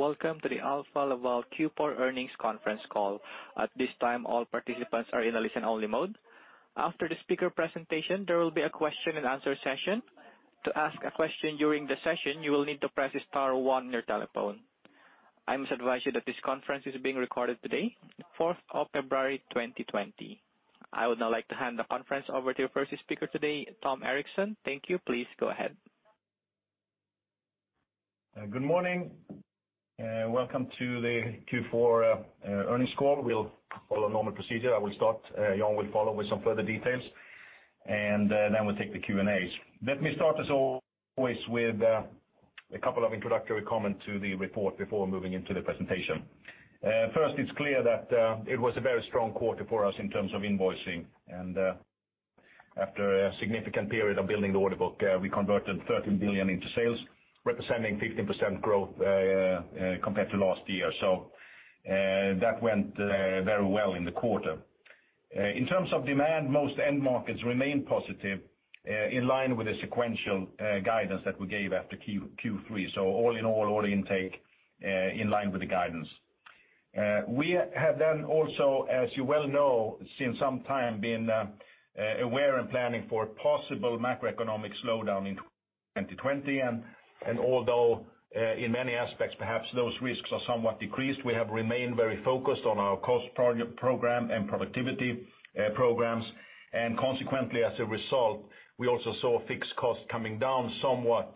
Welcome to the Alfa Laval Q4 earnings conference call. At this time, all participants are in a listen-only mode. after the speaker presentation, there will be a question-and-answer session. To ask a question during the session, you will need to press star one on your telephone. I must advise you that this conference is being recorded today, 4 of february 2020. I would now like to hand the conference over to your first speaker today, Tom Erixon. Thank you. Please go ahead. Good morning. Welcome to the Q4 earnings call. We'll follow normal procedure. I will start, Jan will follow with some further details, and then we'll take the Q&As. Let me start, as always, with a couple of introductory comments to the report before moving into the presentation. first, it's clear that it was a very strong quarter for us in terms of invoicing, and after a significant period of building the order book, we converted 13 billion into sales, representing 15% growth compared to last year. That went very well in the quarter. In terms of demand, most end markets remain positive, in line with the sequential guidance that we gave after Q3. All in all, order intake, in line with the guidance. We have also, as you well know, since some time been aware and planning for a possible macroeconomic slowdown in 2020, and although in many aspects perhaps those risks are somewhat decreased, we have remained very focused on our cost program and productivity programs. Consequently, as a result, we also saw fixed costs coming down somewhat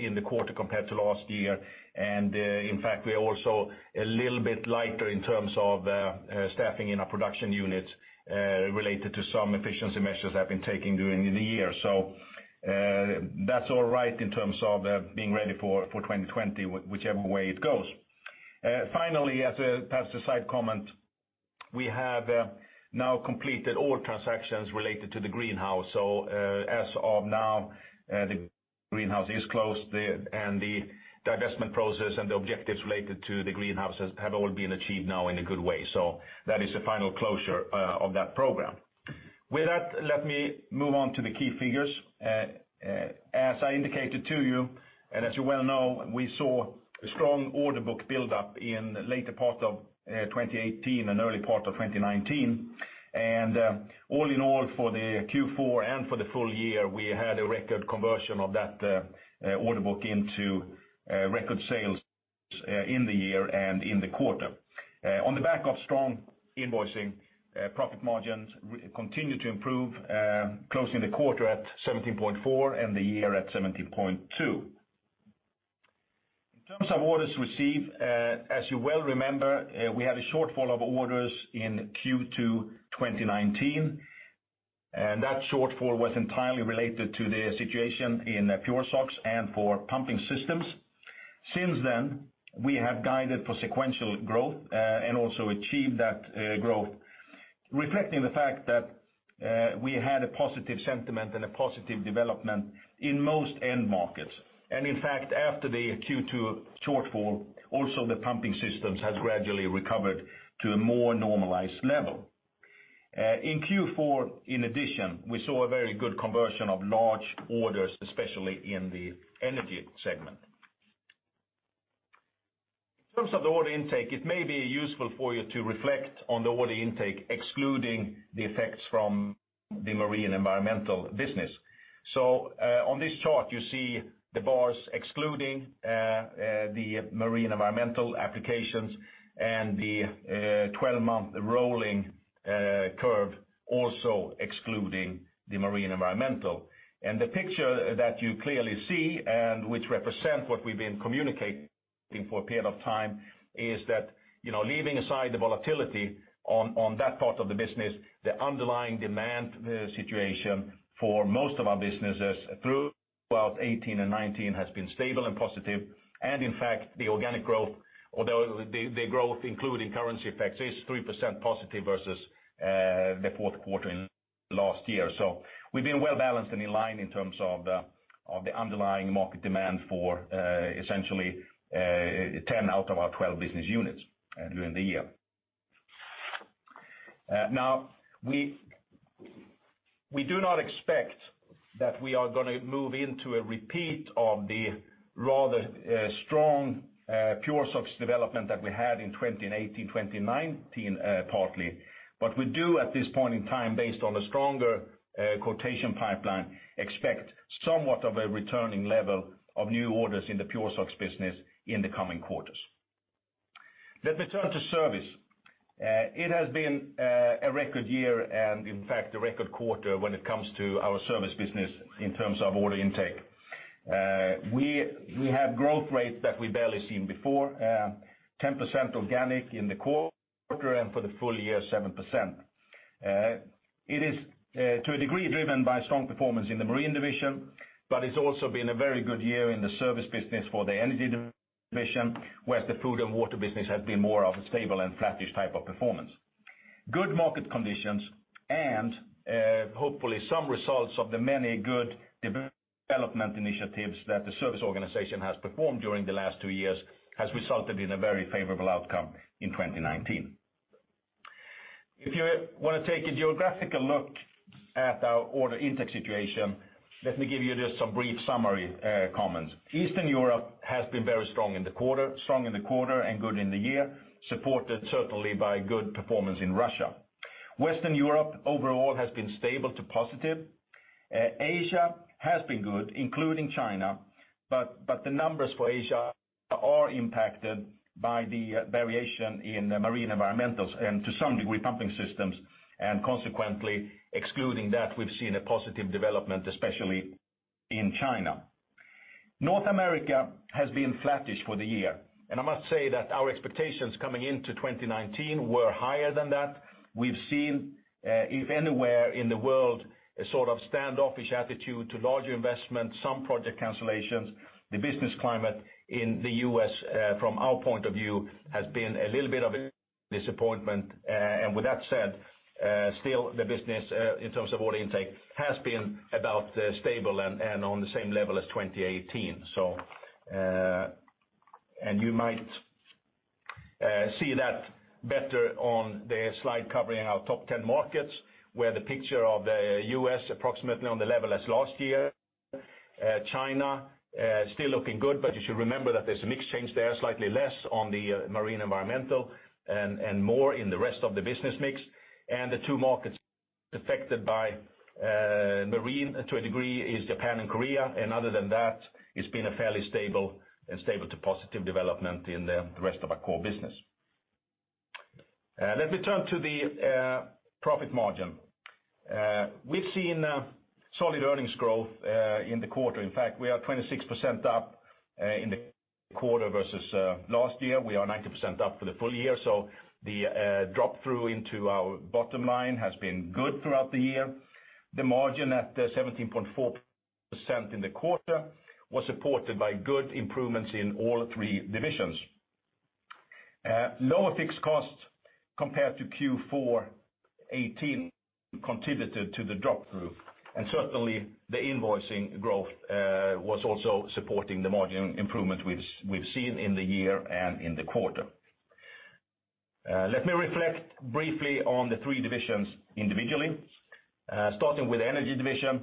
in the quarter compared to last year. In fact, we are also a little bit lighter in terms of staffing in our production units related to some efficiency measures I've been taking during the year. That's all right in terms of being ready for 2020, whichever way it goes. As a side comment, we have now completed all transactions related to the Greenhouse. As of now, the Greenhouse division is closed, and the divestment process and the objectives related to the Greenhouse division have all been achieved now in a good way. That is the final closure of that program. With that, let me move on to the key figures. As I indicated to you, and as you well know, we saw a strong order book build up in the later part of 2018 and early part of 2019. All in all, for the Q4 and for the full-year, we had a record conversion of that order book into record sales in the year and in the quarter. On the back of strong invoicing, profit margins continued to improve, closing the quarter at 17.4 and the year at 17.2. In terms of orders received, as you well remember, we had a shortfall of orders in Q2 2019, and that shortfall was entirely related to the situation in the PureSOx and for pumping systems. Since then, we have guided for sequential growth, also achieved that growth, reflecting the fact that we had a positive sentiment and a positive development in most end markets. In fact, after the Q2 shortfall, also the pumping systems have gradually recovered to a more normalized level. In Q4, in addition, we saw a very good conversion of large orders, especially in the Energy segment. In terms of the order intake, it may be useful for you to reflect on the order intake, excluding the effects from the Marine environmental business. On this chart, you see the bars excluding the Marine environmental applications and the 12-month rolling curve, also excluding the Marine environmental. The picture that you clearly see, and which represents what we've been communicating for a period of time is that, leaving aside the volatility on that part of the business, the underlying demand situation for most of our businesses throughout 2018 and 2019 has been stable and positive. In fact, the organic growth, although the growth including currency effects, is 3% positive versus the fourth quarter in last year. We've been well-balanced and in line in terms of the underlying market demand for essentially 10 out of our 12 business units during the year. We do not expect that we are going to move into a repeat of the rather strong PureSOx development that we had in 2018, 2019, partly, but we do at this point in time, based on a stronger quotation pipeline, expect somewhat of a returning level of new orders in the PureSOx business in the coming quarters. Let me turn to service. It has been a record year and in fact a record quarter when it comes to our service business in terms of order intake. We have growth rates that we barely seen before, 10% organic in the quarter, and for the full-year, 7%. It is to a degree driven by strong performance in the Marine Division, but it's also been a very good year in the service business for the Energy Division, whereas the food & Water business has been more of a stable and flattish type of performance. Good market conditions, and hopefully some results of the many good development initiatives that the service organization has performed during the last two years has resulted in a very favorable outcome in 2019. if you want to take a geographical look at our order intake situation, let me give you just some brief summary comments. Eastern Europe has been very strong in the quarter, and good in the year, supported certainly by good performance in Russia. Western Europe overall has been stable to positive. Asia has been good, including China, but the numbers for Asia are impacted by the variation in marine environmentals, to some degree, pumping systems, consequently excluding that, we've seen a positive development, especially in China. North America has been flattish for the year, I must say that our expectations coming into 2019 were higher than that. We've seen, if anywhere in the world, a sort of standoffish attitude to larger investments, some project cancellations. The business climate in the U.S., from our point of view, has been a little bit of a disappointment. With that said, still the business in terms of order intake has been about stable and on the same level as 2018. You might see that better on the slide covering our top 10 markets, where the picture of the U.S. approximately on the level as last year. China, still looking good, you should remember that there's a mix change there, slightly less on the marine environmental, and more in the rest of the business mix. The two markets affected by marine to a degree is Japan and Korea. Other than that, it's been a fairly stable to positive development in the rest of our core business. Let me turn to the profit margin. We've seen solid earnings growth, in the quarter. In fact, we are 26% up in the quarter versus last year. We are 90% up for the full-year. The drop-through into our bottom line has been good throughout the year. The margin at 17.4% in the quarter was supported by good improvements in all three divisions. Lower fixed costs compared to Q4 2018 contributed to the drop-through, and certainly the invoicing growth, was also supporting the margin improvement we've seen in the year and in the quarter. Let me reflect briefly on the three divisions individually. Starting with Energy Division,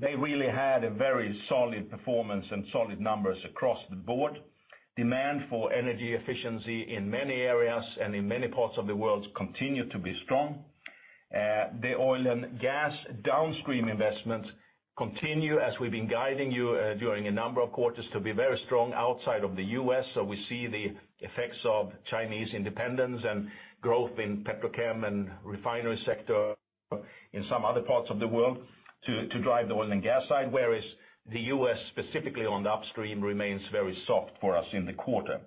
they really had a very solid performance and solid numbers across the board. Demand for energy efficiency in many areas and in many parts of the world continue to be strong. The oil and gas downstream investments continue as we've been guiding you, during a number of quarters, to be very strong outside of the U.S. We see the effects of Chinese independence and growth in petrochem and refinery sector in some other parts of the world to drive the oil and gas side, whereas the U.S. specifically on the upstream remains very soft for us in the quarter.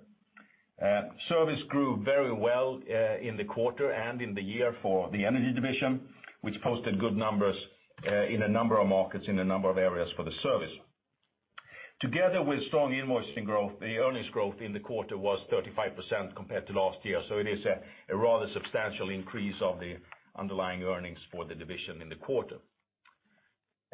Service grew very well in the quarter and in the year for the Energy Division, which posted good numbers in a number of markets, in a number of areas for the service. Together with strong invoicing growth, the earnings growth in the quarter was 35% compared to last year. It is a rather substantial increase of the underlying earnings for the division in the quarter.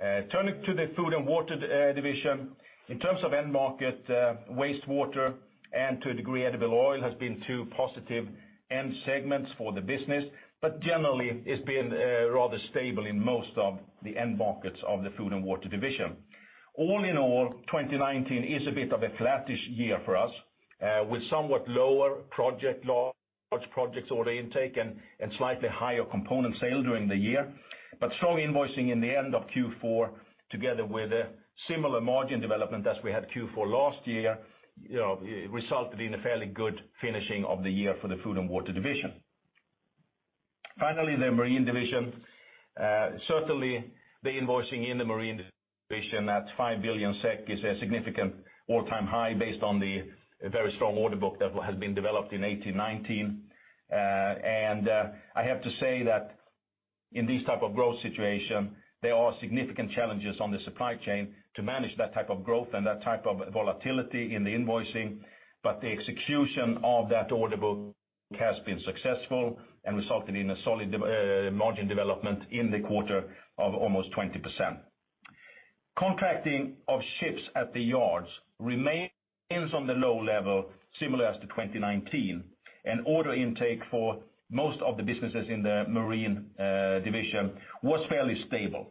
Turning to the food & Water Division. In terms of end market, wastewater, and to a degree, edible oil, has been two positive end segments for the business, but generally, it's been rather stable in most of the end markets of the food & Water Division. All in all, 2019 is a bit of a flattish year for us, with somewhat lower project launch, projects order intake, and slightly higher component sale during the year. Strong invoicing in the end of Q4, together with a similar margin development as we had Q4 last year, resulted in a fairly good finishing of the year for the food & Water Division. finally, the Marine Division. Certainly, the invoicing in the Marine Division at 5 billion SEK is a significant all-time high based on the very strong order book that has been developed in 2018, 2019. I have to say that in these type of growth situation, there are significant challenges on the supply chain to manage that type of growth and that type of volatility in the invoicing. The execution of that order book has been successful and resulted in a solid margin development in the quarter of almost 20%. Contracting of ships at the yards remains on the low level, similar as to 2019, and order intake for most of the businesses in the Marine Division was fairly stable.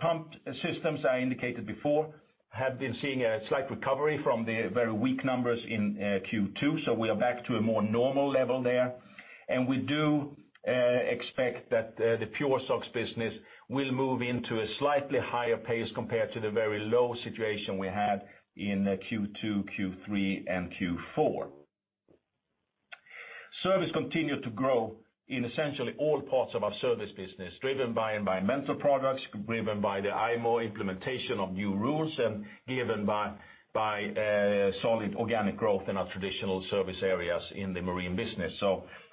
Pumping systems, I indicated before, have been seeing a slight recovery from the very weak numbers in Q2, so we are back to a more normal level there. We do expect that the PureSOx business will move into a slightly higher pace compared to the very low situation we had in Q2, Q3, and Q4. Service continued to grow in essentially all parts of our service business, driven by environmental products, driven by the IMO implementation of new rules, and driven by solid organic growth in our traditional service areas in the Marine business.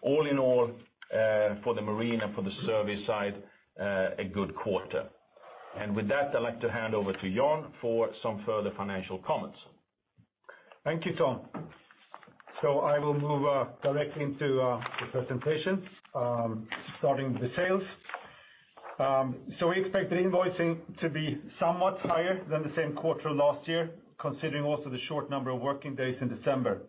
All in all, for the Marine and for the service side, a good quarter. With that, I'd like to hand over to Jan for some further financial comments. Thank you, Tom. I will move directly into the presentation, starting with the sales. We expected invoicing to be somewhat higher than the same quarter last year, considering also the short number of working days in December.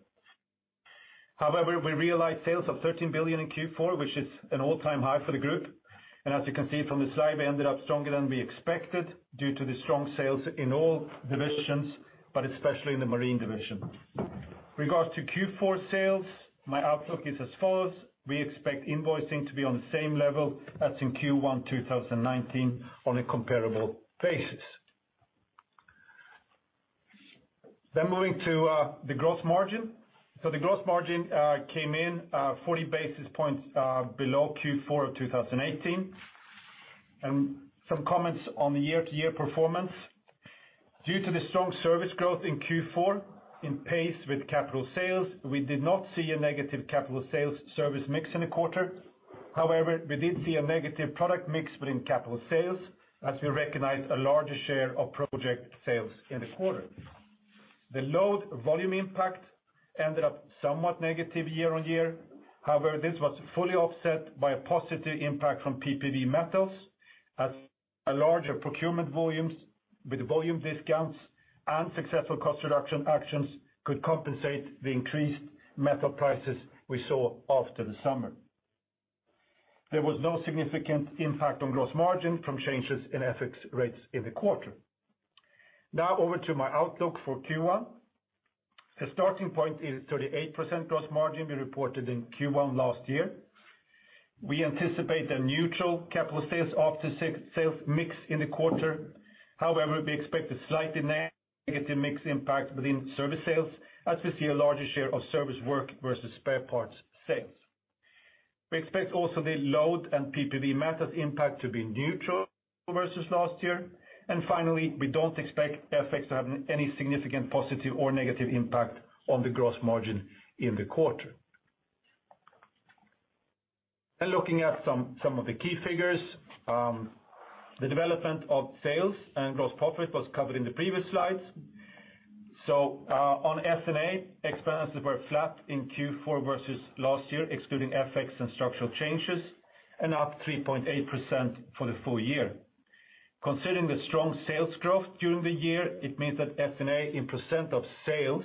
However, we realized sales of 13 billion in Q4, which is an all-time high for the group. As you can see from the slide, we ended up stronger than we expected due to the strong sales in all divisions, but especially in the Marine Division. Regardless to Q4 sales, my outlook is as follows. We expect invoicing to be on the same level as in Q1 2019 on a comparable basis. Moving to the gross margin. The gross margin came in 40 basis points below Q4 of 2018. Some comments on the year-to-year performance. Due to the strong service growth in Q4 in pace with capital sales, we did not see a negative capital sales service mix in the quarter. We did see a negative product mix within capital sales, as we recognized a larger share of project sales in the quarter. The load volume impact ended up somewhat negative year-over-year. This was fully offset by a positive impact from PPV/metals as a larger procurement volumes with volume discounts and successful cost reduction actions could compensate the increased metal prices we saw after the summer. There was no significant impact on gross margin from changes in FX rates in the quarter. Over to my outlook for Q1. The starting point is 38% gross margin we reported in Q1 last year. We anticipate a neutral capital sales after sales mix in the quarter. We expect a slightly negative mix impact within service sales, as we see a larger share of service work versus spare parts sales. We expect also the load and PPV methods impact to be neutral versus last year. finally, we don't expect FX to have any significant positive or negative impact on the gross margin in the quarter. Looking at some of the key figures. The development of sales and gross profit was covered in the previous slides. On S&A, expenses were flat in Q4 versus last year, excluding FX and structural changes, and up 3.8% for the full-year. Considering the strong sales growth during the year, it means that S&A in percentage of sales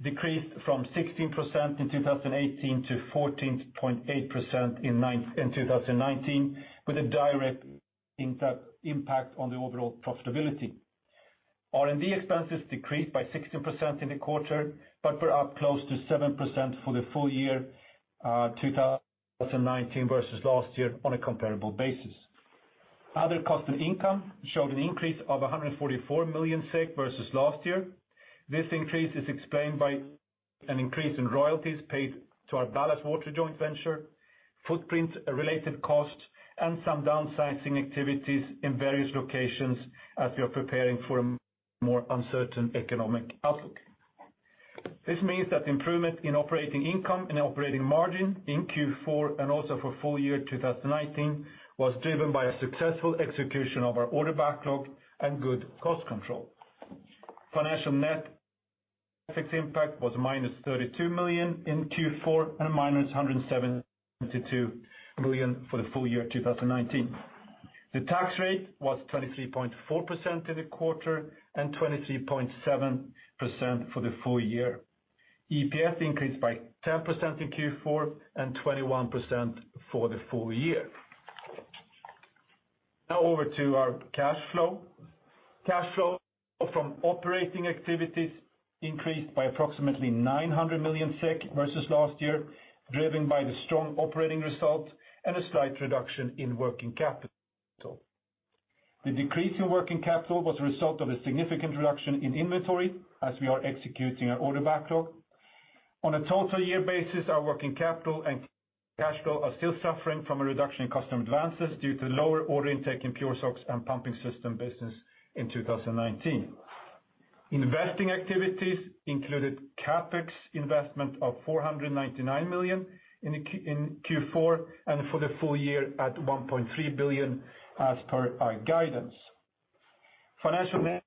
decreased from 16% in 2018 to 14.8% in 2019, with a direct impact on the overall profitability. R&D expenses decreased by 16% in the quarter, but were up close to 7% for the full-year 2019 versus last year on a comparable basis. Other cost and income showed an increase of 144 million versus last year. This increase is explained by an increase in royalties paid to our ballast water joint venture, footprint-related costs, and some downsizing activities in various locations as we are preparing for a more uncertain economic outlook. This means that improvement in operating income and operating margin in Q4, and also for full-year 2019, was driven by a successful execution of our order backlog and good cost control. Financial net FX impact was -32 million in Q4, and -172 million for the full-year 2019. The tax rate was 23.4% in the quarter and 23.7% for the full-year. EPS increased by 10% in Q4 and 21% for the full-year. Over to our cash flow. Cash flow from operating activities increased by approximately 900 million SEK versus last year, driven by the strong operating result and a slight reduction in working capital. The decrease in working capital was a result of a significant reduction in inventory as we are executing our order backlog. On a total year basis, our working capital and cash flow are still suffering from a reduction in customer advances due to lower order intake in PureSOx and pumping system business in 2019. Investing activities included CapEx investment of 499 million in Q4, and for the full-year at 1.3 billion as per our guidance. financial net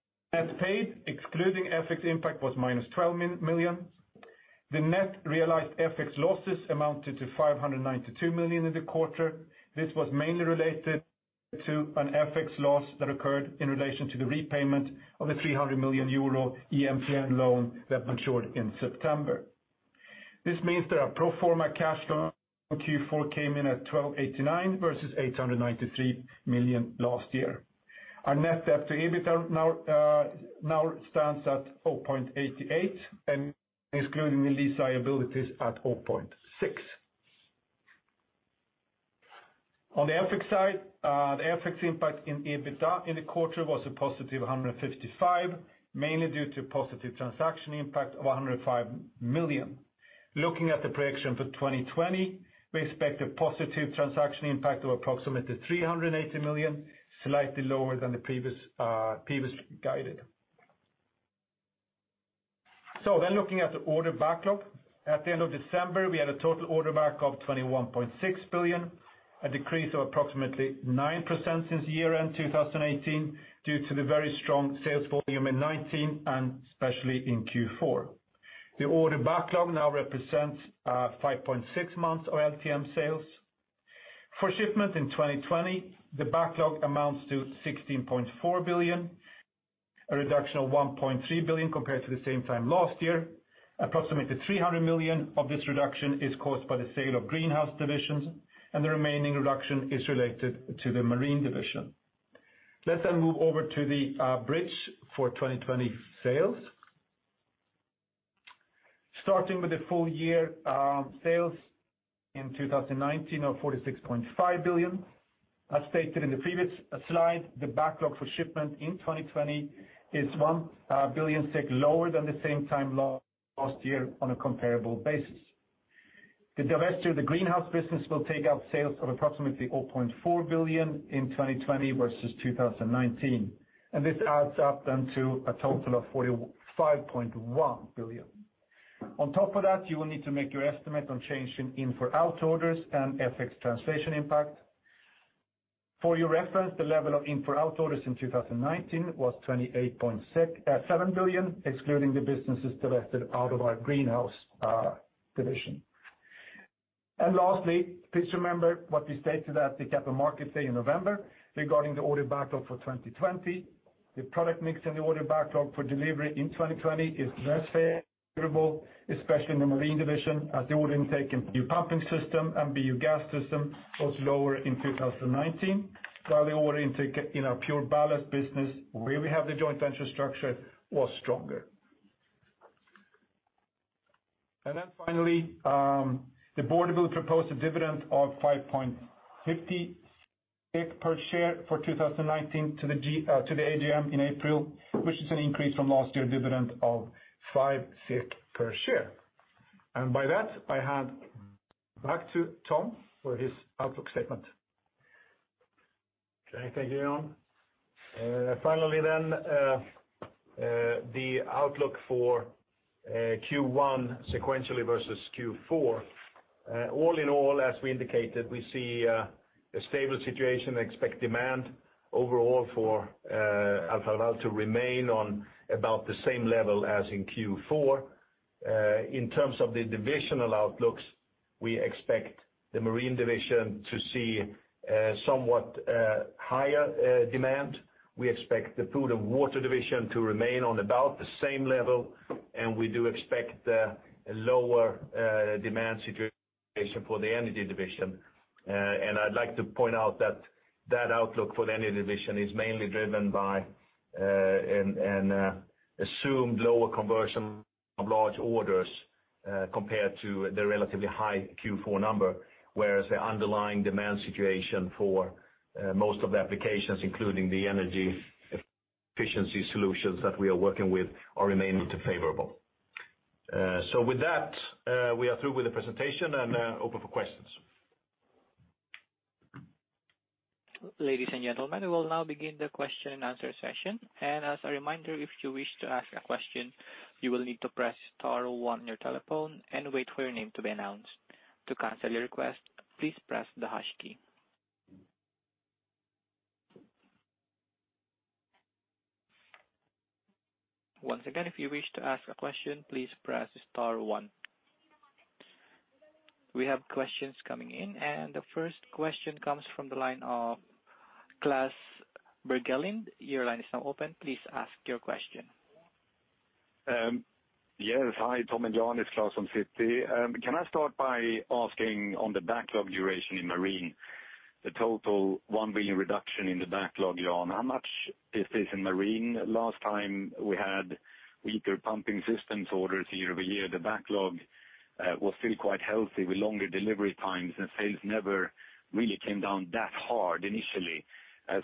paid, excluding FX impact, was -12 million. The net realized FX losses amounted to 592 million in the quarter. This was mainly related to an FX loss that occurred in relation to the repayment of a 300 million euro EMTN loan that matured in September. This means that our pro forma cash flow Q4 came in at 1,289 versus 893 million last year. Our net debt to EBITDA now stands at 0.88, and excluding the lease liabilities at 0.6. On the FX side, the FX impact in EBITDA in the quarter was a positive 155, mainly due to positive transaction impact of 105 million. Looking at the projection for 2020, we expect a positive transaction impact of approximately 380 million, slightly lower than the previous guided. Looking at the order backlog. At the end of December, we had a total order backlog of 21.6 billion, a decrease of approximately 9% since year-end 2018 due to the very strong sales volume in 2019 and especially in Q4. The order backlog now represents 5.6 months of LTM sales. for shipment in 2020, the backlog amounts to 16.4 billion, a reduction of 1.3 billion compared to the same time last year. approximately 300 million of this reduction is caused by the sale of Greenhouse divisions, the remaining reduction is related to the Marine Division. Let's move over to the bridge for 2020 sales. Starting with the full-year sales in 2019 of 46.5 billion. As stated in the previous slide, the backlog for shipment in 2020 is 1 billion SEK lower than the same time last year on a comparable basis. The divesture of the Greenhouse division will take out sales of approximately 0.4 billion in 2020 versus 2019, this adds up then to a total of 45.1 billion. On top of that, you will need to make your estimate on change in in-for-out orders and FX translation impact. for your reference, the level of in-for-out orders in 2019 was 28.7 billion, excluding the businesses divested out of our Greenhouse division. Lastly, please remember what we stated at the Capital Markets Day in November regarding the order backlog for 2020. The product mix in the order backlog for delivery in 2020 is less favorable, especially in the Marine Division, as the order intake in new pumping systems and Gas Systems was lower in 2019, while the order intake in our PureBallast business, where we have the joint venture structure, was stronger. Finally, the board will propose a dividend of 5.50 per share for 2019 to the AGM in April, which is an increase from last year's dividend of 5 per share. By that, I hand back to Tom for his outlook statement. Okay, thank you, Jan. Finally, the outlook for Q1 sequentially versus Q4. All in all, as we indicated, we see a stable situation. Expect demand overall for Alfa Laval to remain on about the same level as in Q4. In terms of the divisional outlooks, we expect the Marine Division to see somewhat higher demand. We expect the food & Water Division to remain on about the same level, and we do expect a lower demand situation for the Energy Division. I'd like to point out that that outlook for the Energy Division is mainly driven by an assumed lower conversion of large orders compared to the relatively high Q4 number, whereas the underlying demand situation for most of the applications, including the energy efficiency solutions that we are working with, are remaining favorable. With that, we are through with the presentation and open for questions. Ladies and gentlemen, we will now begin the question and answer session. As a reminder, if you wish to ask a question, you will need to press star one on your telephone and wait for your name to be announced. To cancel your request, please press the hash key. Once again, if you wish to ask a question, please press star one. We have questions coming in. The first question comes from the line of Klas Bergelind. Your line is now open. Please ask your question. Hi, Tom and Jan, it's Klas from Citi. Can I start by asking on the backlog duration in marine, the total 1 billion reduction in the backlog, Jan, how much is this in marine? Last time we had weaker pumping systems orders year-over-year, the backlog was still quite healthy with longer delivery times, and sales never really came down that hard initially.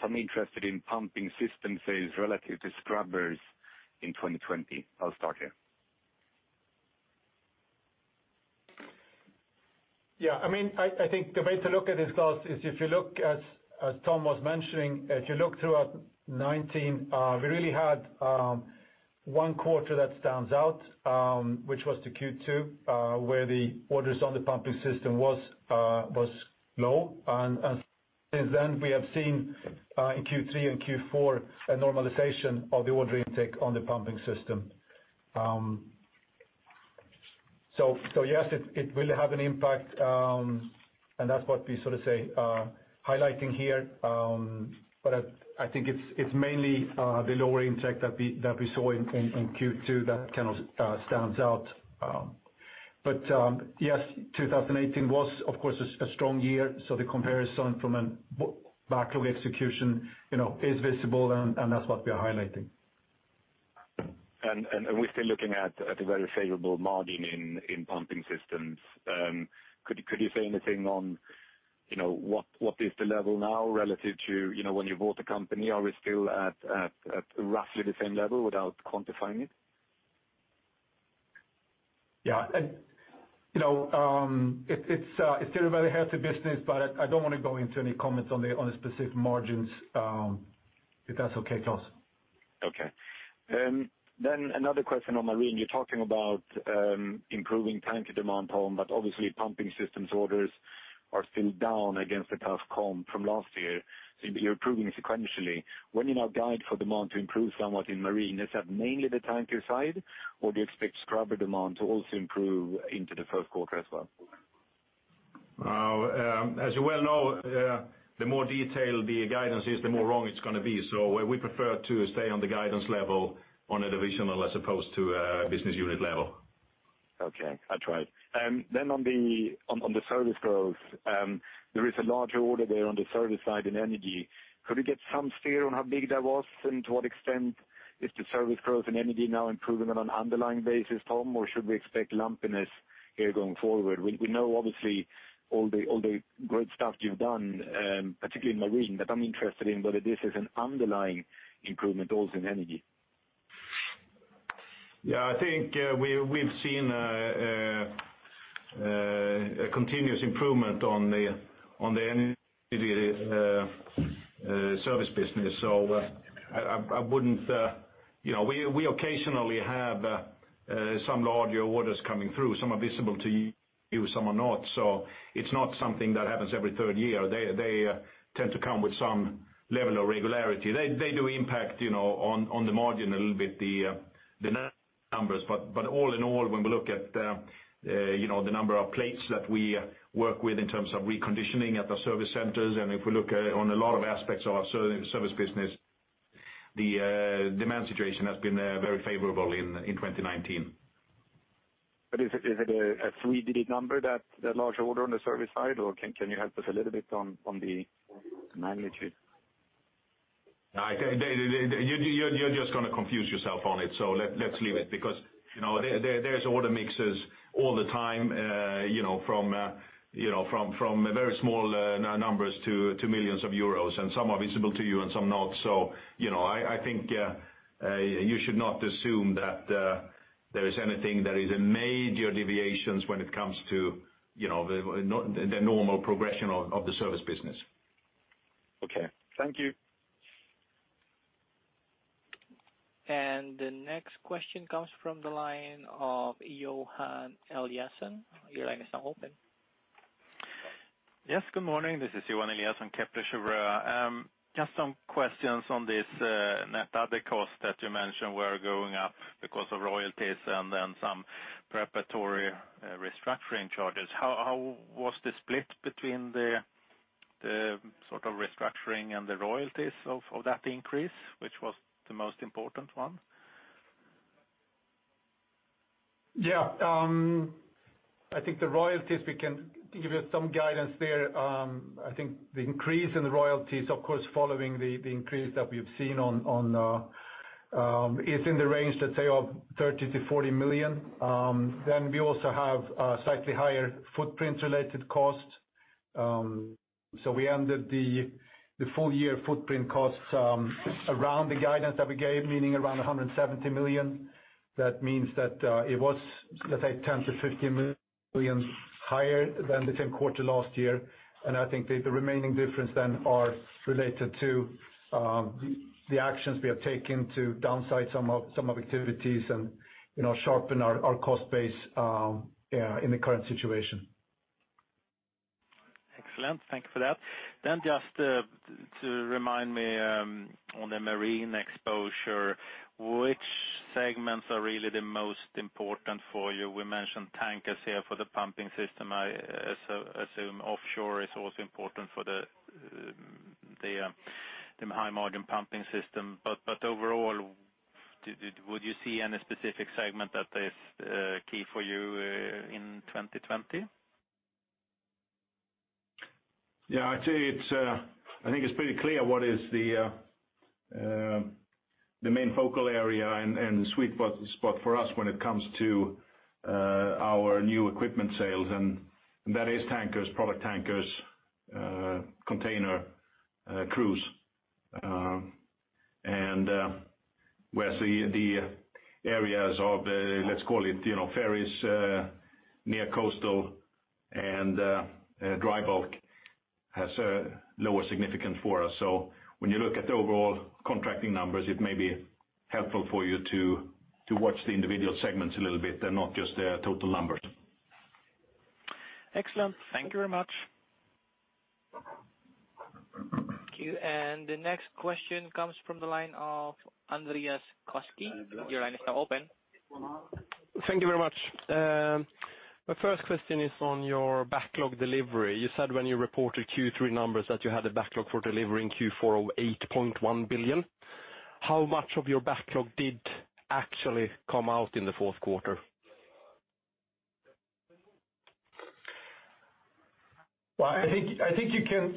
I'm interested in pumping system sales relative to scrubbers in 2020. I'll start here. Yeah, I think the way to look at this, Klas, is if you look, as Tom was mentioning, if you look throughout 2019, we really had one quarter that stands out, which was the Q2, where the orders on the pumping systems was low. Since then we have seen, in Q3 and Q4, a normalization of the order intake on the pumping systems. Yes, it will have an impact, and that's what we sort of say, highlighting here. I think it's mainly the lower intake that we saw in Q2 that kind of stands out. Yes, 2018 was, of course, a strong year, so the comparison from a backlog execution is visible, and that's what we are highlighting. We're still looking at a very favorable margin in pumping systems. Could you say anything on what is the level now relative to when you bought the company? Are we still at roughly the same level without quantifying it? It's still a very healthy business, but I don't want to go into any comments on the specific margins, if that's okay, Klas. Okay. Another question on marine. You're talking about improving time to demand, Tom, obviously pumping systems orders are still down against the tough comp from last year. You're improving sequentially. When you now guide for demand to improve somewhat in marine, is that mainly the tanker side? Do you expect scrubber demand to also improve into the first quarter as well? As you well know, the more detailed the guidance is, the more wrong it's going to be. We prefer to stay on the guidance level on a divisional as opposed to a business unit level. Okay. I tried. On the service growth, there is a large order there on the service side in Energy. Could we get some steer on how big that was, and to what extent is the service growth in Energy now improving on an underlying basis, Tom? Should we expect lumpiness here going forward? We know, obviously, all the good stuff you've done, particularly in Marine. I'm interested in whether this is an underlying improvement also in Energy. I think we've seen a continuous improvement on the energy service business. We occasionally have some larger orders coming through. Some are visible to you, some are not. It's not something that happens every third year. They tend to come with some level of regularity. They do impact on the margin a little bit, the numbers. All in all, when we look at the number of plates that we work with in terms of reconditioning at the service centers, and if we look on a lot of aspects of our service business, the demand situation has been very favorable in 2019. Is it a three-digit number, that large order on the service side? Can you help us a little bit on the magnitude? You're just going to confuse yourself on it. Let's leave it. There's order mixes all the time from very small numbers to millions of EUR, and some are visible to you and some not. I think you should not assume that there is anything that is a major deviation when it comes to the normal progression of the service business. Okay. Thank you. The next question comes from the line of Johan Eliason. Your line is now open. Good morning. This is Johan Eliason, Kepler Cheuvreux. Some questions on this net other cost that you mentioned were going up because of royalties and then some preparatory restructuring charges. How was the split between the sort of restructuring and the royalties of that increase? Which was the most important one? Yeah. I think the royalties, we can give you some guidance there. I think the increase in the royalties, of course, following the increase that we've seen is in the range, let's say, of 30 million-40 million. We also have slightly higher footprint-related costs. We ended the full-year footprint costs around the guidance that we gave, meaning around 170 million. That means that it was, let's say, 10 million-15 million higher than the same quarter last year. I think the remaining difference are related to the actions we have taken to downsize some activities and sharpen our cost base in the current situation. Excellent. Thank you for that. Just to remind me on the Marine Division exposure, which segments are really the most important for you? We mentioned tankers here for the pumping systems. I assume offshore is also important for the high margin pumping systems. Overall, would you see any specific segment that is key for you in 2020? Yeah. I think it's pretty clear what is the main focal area and the sweet spot for us when it comes to our new equipment sales, that is tankers, product tankers, container, cruise. Whereas the areas of, let's call it, ferries, near coastal and dry bulk has a lower significance for us. When you look at the overall contracting numbers, it may be helpful for you to watch the individual segments a little bit and not just the total numbers. Excellent. Thank you very much. Thank you. The next question comes from the line of Andreas Koski. Your line is now open. Thank you very much. My first question is on your backlog delivery. You said when you reported Q3 numbers that you had a backlog for delivery in Q4 of 8.1 billion. How much of your backlog did actually come out in the fourth quarter? Well, I think you can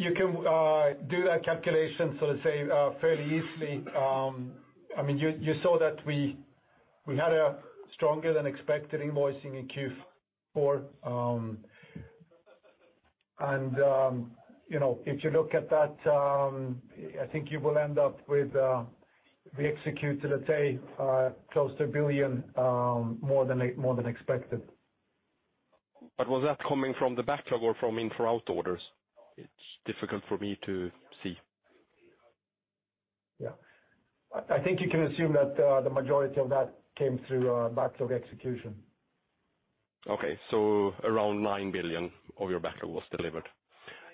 do that calculation, so to say, fairly easily. You saw that we had a stronger than expected invoicing in Q4. if you look at that, I think you will end up with we executed, let's say, close to 1 billion more than expected. Was that coming from the backlog or from in-for-out orders? It's difficult for me to see. Yeah. I think you can assume that the majority of that came through backlog execution. Okay. Around 9 billion of your backlog was delivered.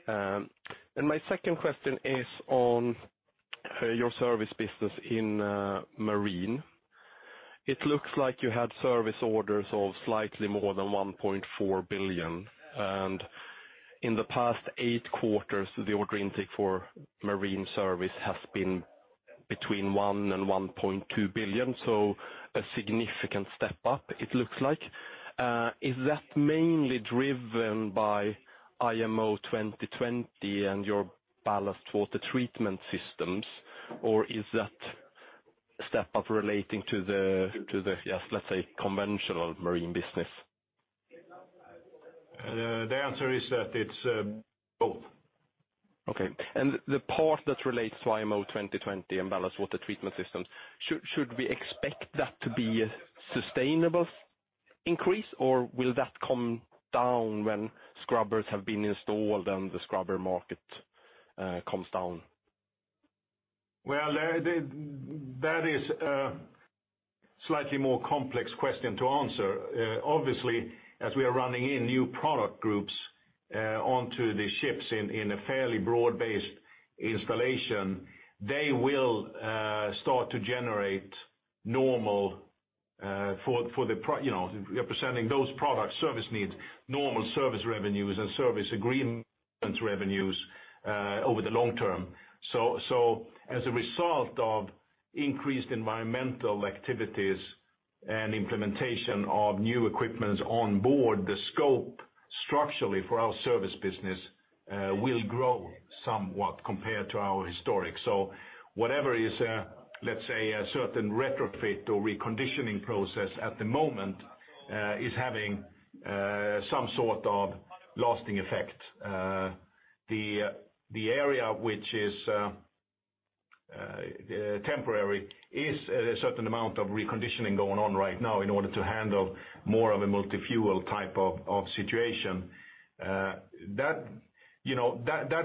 My second question is on your service business in Marine. It looks like you had service orders of slightly more than 1.4 billion, and in the past eight quarters, the order intake for Marine service has been between 1 billion and 1.2 billion. A significant step up, it looks like. Is that mainly driven by IMO 2020 and your ballast water treatment systems, or is that step up relating to the, let's say, conventional Marine business? The answer is that it's both. Okay. The part that relates to IMO 2020 and ballast water treatment systems, should we expect that to be a sustainable increase, or will that come down when scrubbers have been installed and the scrubber market comes down? Well, that is a slightly more complex question to answer. Obviously, as we are running in new product groups onto the ships in a fairly broad-based installation, they will start to generate, representing those product service needs, normal service revenues and service agreement revenues over the long term. As a result of increased environmental activities and implementation of new equipment on board, the scope structurally for our service business will grow somewhat compared to our historic. Whatever is, let's say, a certain retrofit or reconditioning process at the moment, is having some sort of lasting effect. The area which is temporary is a certain amount of reconditioning going on right now in order to handle more of a multi-fuel type of situation. That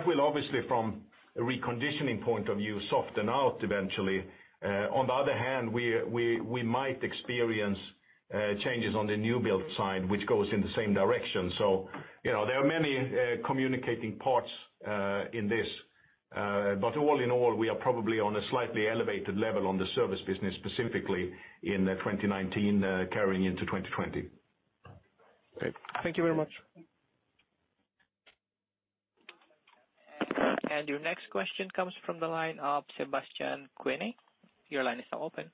will obviously, from a reconditioning point of view, soften out eventually. On the other hand, we might experience changes on the new build side, which goes in the same direction. There are many communicating parts in this. All in all, we are probably on a slightly elevated level on the service business, specifically in 2019, carrying into 2020. Great. Thank you very much. Your next question comes from the line of Sebastian Kuenne. Your line is now open.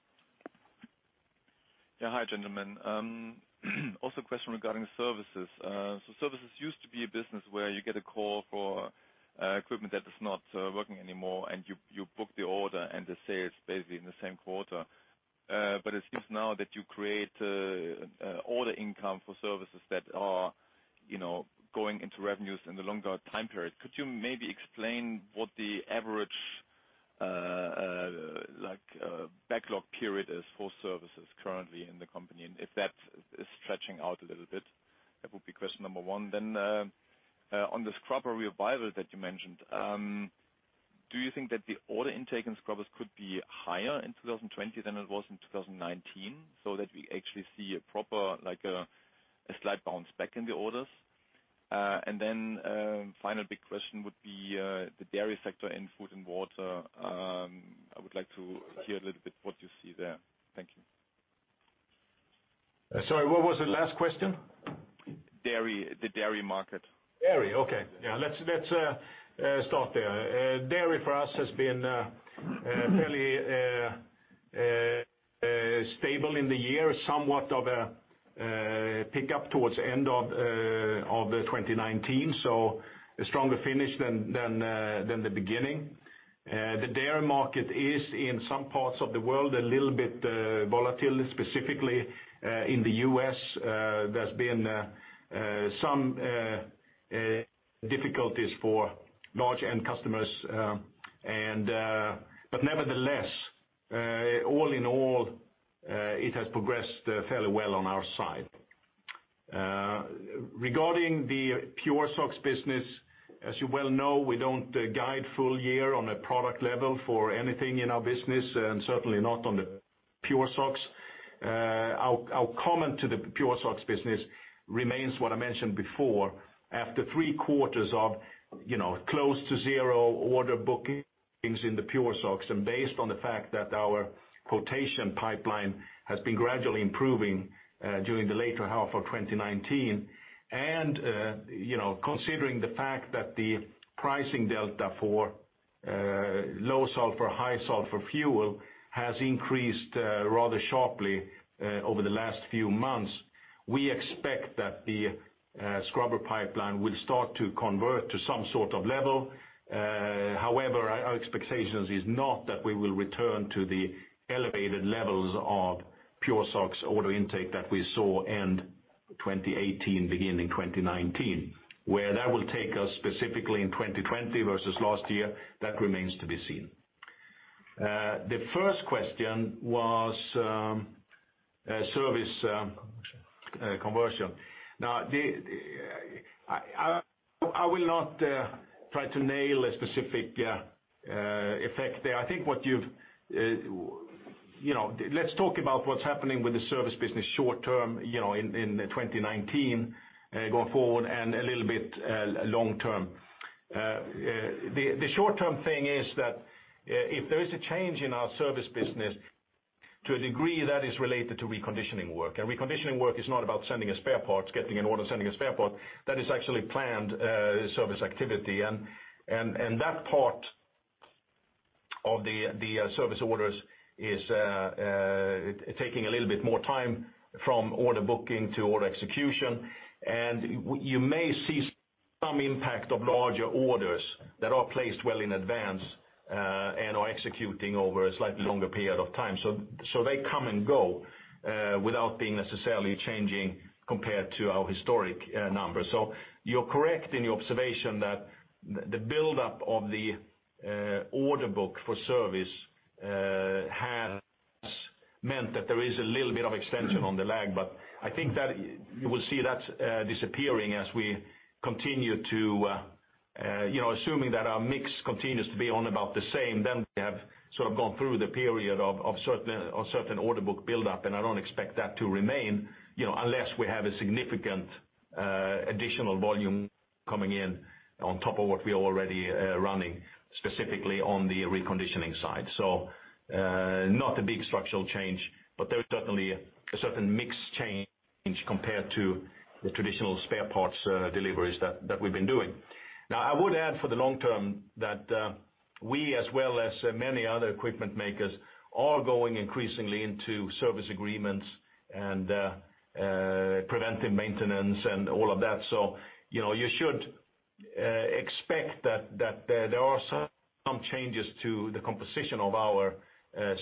Yeah. Hi, gentlemen. Also question regarding services. Services used to be a business where you get a call for equipment that is not working anymore, and you book the order and the sales basically in the same quarter. It seems now that you create order income for services that are going into revenues in the longer time period. Could you maybe explain what the average backlog period is for services currently in the company, and if that is stretching out a little bit? That would be question number one. On the scrubber revival that you mentioned, do you think that the order intake in scrubbers could be higher in 2020 than it was in 2019, so that we actually see a proper slight bounce back in the orders? final big question would be, the dairy sector in food & Water Division. I would like to hear a little bit what you see there. Thank you. Sorry, what was the last question? The dairy market. Dairy, okay. Yeah, let's start there. Dairy for us has been fairly stable in the year, somewhat of a pickup towards end of 2019. A stronger finish than the beginning. The dairy market is, in some parts of the world, a little bit volatile, specifically in the U.S. Nevertheless, all in all, it has progressed fairly well on our side. Regarding the PureSOx business, as you well know, we don't guide full-year on a product level for anything in our business, and certainly not on the PureSOx. Our comment to the PureSOx business remains what I mentioned before. after three quarters of close to zero order bookings in the PureSOx, and based on the fact that our quotation pipeline has been gradually improving during the later half of 2019, and considering the fact that the pricing delta for low sulfur, high sulfur fuel has increased rather sharply over the last few months, we expect that the scrubber pipeline will start to convert to some sort of level. However, our expectation is not that we will return to the elevated levels of PureSOx order intake that we saw end 2018, beginning 2019. Where that will take us specifically in 2020 versus last year, that remains to be seen. The first question was serviceConversion. I will not try to nail a specific effect there. Let's talk about what's happening with the service business short term, in 2019 going forward, and a little bit long term. The short-term thing is that if there is a change in our service business, to a degree, that is related to reconditioning work. Reconditioning work is not about getting an order, sending a spare part. That is actually planned service activity. That part of the service orders is taking a little bit more time from order booking to order execution, and you may see some impact of larger orders that are placed well in advance, and are executing over a slightly longer period of time. They come and go without being necessarily changing compared to our historic numbers. You're correct in your observation that the buildup of the order book for service has meant that there is a little bit of extension on the lag, but I think that you will see that disappearing as we continue. Assuming that our mix continues to be on about the same, then we have sort of gone through the period of certain order book buildup, and I don't expect that to remain, unless we have a significant additional volume coming in on top of what we are already running, specifically on the reconditioning side. Not a big structural change, but there is certainly a certain mix change compared to the traditional spare parts deliveries that we've been doing. I would add for the long term that we, as well as many other equipment makers, are going increasingly into service agreements and preventive maintenance and all of that. You should expect that there are some changes to the composition of our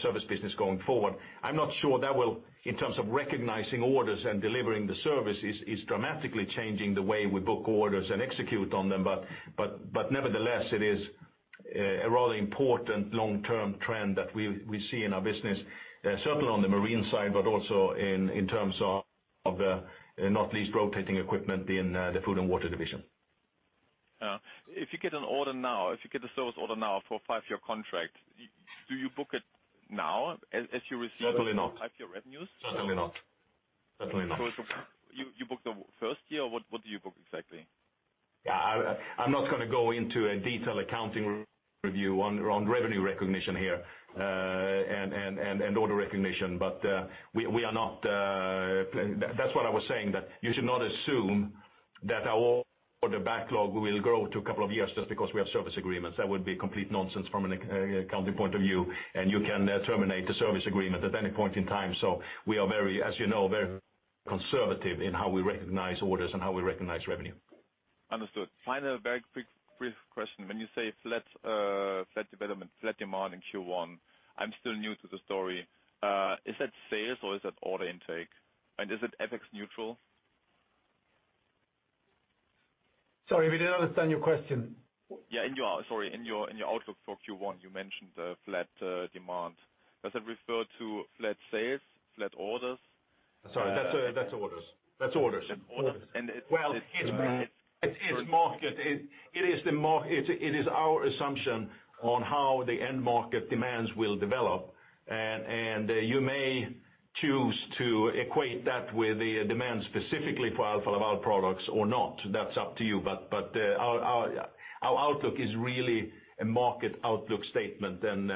service business going forward. I'm not sure that will, in terms of recognizing orders and delivering the service, is dramatically changing the way we book orders and execute on them. But nevertheless, it is a rather important long-term trend that we see in our business, certainly on the marine side, but also in terms of the not least rotating equipment in the food & Water Division. if you get a service order now for a five-year contract, do you book it now as you receive-? Certainly not. type your revenues? Certainly not. You book the first year, or what do you book exactly? I'm not going to go into a detailed accounting review on revenue recognition here, and order recognition. That's what I was saying, that you should not assume that our order backlog will grow to a couple of years just because we have service agreements. That would be complete nonsense from an accounting point of view, and you can terminate the service agreement at any point in time. We are, as you know, very conservative in how we recognize orders and how we recognize revenue. Understood. final, very quick brief question. When you say flat development, flat demand in Q1, I'm still new to the story. Is that sales or is that order intake? Is it FX neutral? Sorry, we didn't understand your question. Sorry. In your outlook for Q1, you mentioned flat demand. Does that refer to flat sales, flat orders? Sorry. That's orders. That's orders. Orders. Well, it is market. It is our assumption on how the end market demands will develop. You may choose to equate that with the demand specifically for alfa Laval products or not. That's up to you. Our outlook is really a market outlook statement, and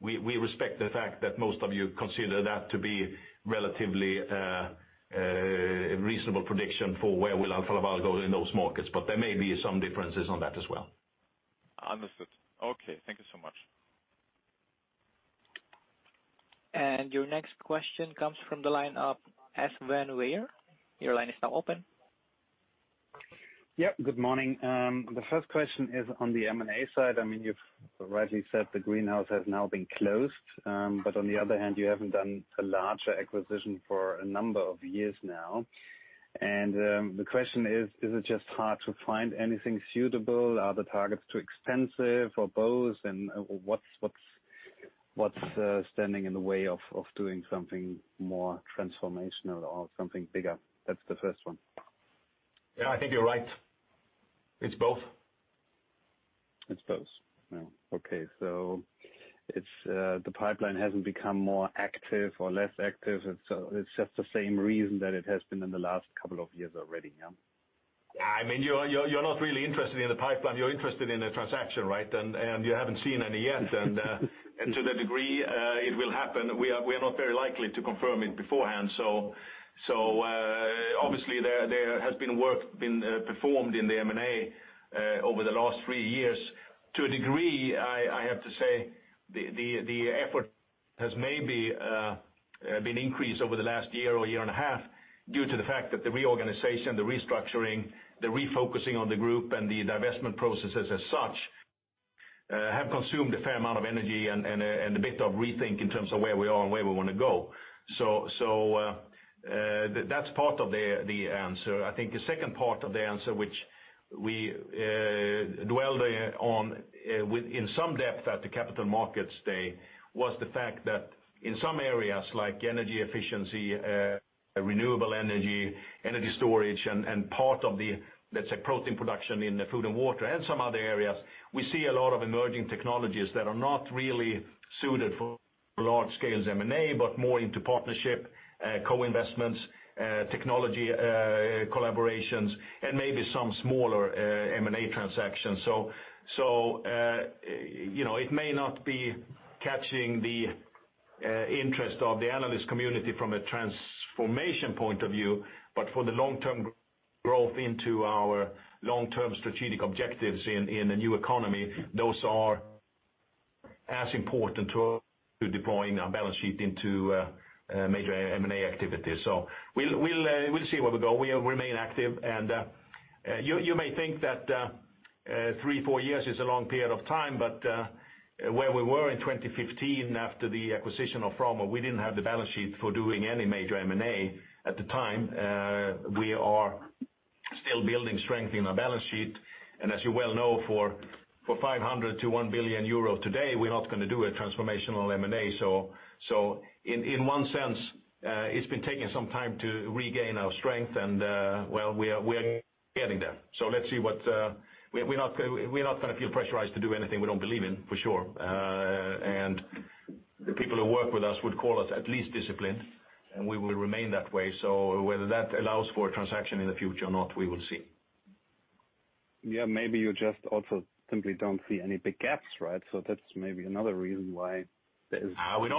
we respect the fact that most of you consider that to be relatively a reasonable prediction for where will alfa Laval go in those markets. There may be some differences on that as well. Understood. Okay. Thank you so much. Your next question comes from the line of Sven Weier. Your line is now open. Yeah, good morning. The first question is on the M&A side. You've rightly said the Greenhouse division has now been closed. On the other hand, you haven't done a larger acquisition for a number of years now. The question is: Is it just hard to find anything suitable? Are the targets too expensive, or both? What's standing in the way of doing something more transformational or something bigger? That's the first one. I think you're right. It's both. It's both. Okay. The pipeline hasn't become more active or less active. It's just the same reason that it has been in the last couple of years already, yeah? You're not really interested in the pipeline. You're interested in a transaction, right? You haven't seen any yet. To the degree it will happen, we are not very likely to confirm it beforehand. Obviously there has been work being performed in the M&A over the last three years. To a degree, I have to say, the effort has maybe been increased over the last year or year and a half due to the fact that the reorganization, the restructuring, the refocusing on the group, and the divestment processes as such have consumed a fair amount of energy and a bit of rethink in terms of where we are and where we want to go. That's part of the answer. I think the second part of the answer, which we dwelled on in some depth at the Capital Markets Day, was the fact that in some areas like energy efficiency, renewable energy storage, and part of the, let's say, protein production in food and water and some other areas, we see a lot of emerging technologies that are not really suited for large scale M&A, but more into partnership, co-investments, technology collaborations, and maybe some smaller M&A transactions. It may not be catching the interest of the analyst community from a transformation point of view, but for the long-term growth into our long-term strategic objectives in the new economy, those are as important to us to deploying our balance sheet into major M&A activities. We'll see where we go. We remain active. You may think that three, four years is a long period of time, but where we were in 2015 after the acquisition of Frank Mohn, we didn't have the balance sheet for doing any major M&A at the time. We are still building strength in our balance sheet. As you well know, for 500 million-1 billion euro today, we're not going to do a transformational M&A. In one sense, it's been taking some time to regain our strength, well, we are getting there. Let's see. We're not going to feel pressurized to do anything we don't believe in, for sure. The people who work with us would call us at least disciplined. We will remain that way. Whether that allows for a transaction in the future or not, we will see. Yeah, maybe you just also simply don't see any big gaps, right? We don't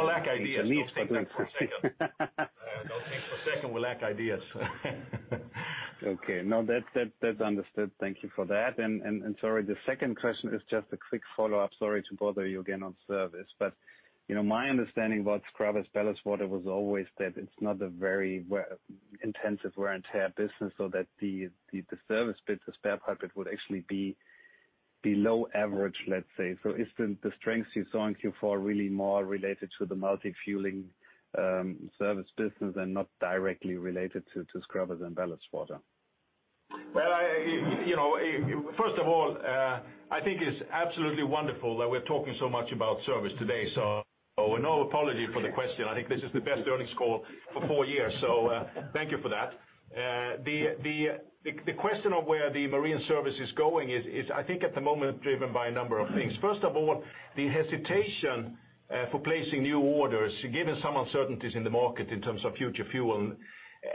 lack ideas, don't think that for a second. Don't think for a second we lack ideas. Okay. No, that's understood. Thank you for that. Sorry, the second question is just a quick follow-up. Sorry to bother you again on service, my understanding about scrubbers ballast water was always that it's not a very intensive wear and tear business so that the service bit, the spare part bit, would actually be below average, let's say. Is the strength you saw in Q4 really more related to the multi-fueling service business and not directly related to scrubbers and ballast water? first of all, I think it's absolutely wonderful that we're talking so much about service today. No apology for the question. I think this is the best earnings call for four years. Thank you for that. The question of where the marine service is going is, I think, at the moment driven by a number of things. first of all, the hesitation for placing new orders, given some uncertainties in the market in terms of future fuel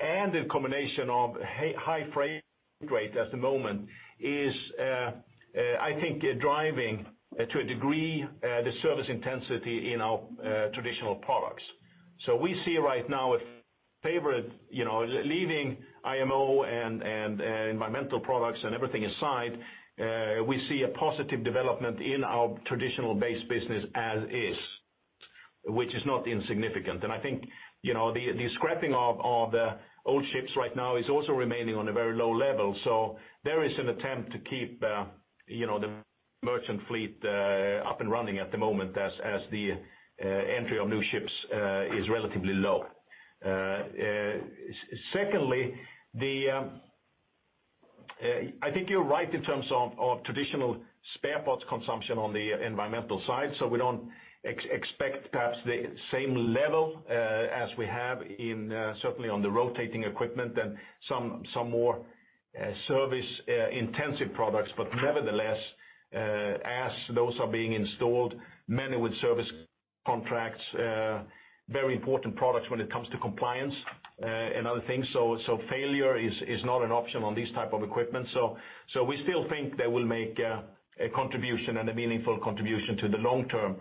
and the combination of high freight rate at the moment is, I think, driving, to a degree, the service intensity in our traditional products. We see right now, leaving IMO and environmental products and everything aside, we see a positive development in our traditional base business as is, which is not insignificant. I think the scrapping of the old ships right now is also remaining on a very low level. There is an attempt to keep the merchant fleet up and running at the moment as the entry of new ships is relatively low. Secondly, I think you're right in terms of traditional spare parts consumption on the environmental side. We don't expect perhaps the same level as we have certainly on the rotating equipment and some more service-intensive products. Nevertheless, as those are being installed, many with service contracts, very important products when it comes to compliance and other things. failure is not an option on these type of equipment. We still think they will make a contribution and a meaningful contribution to the long term.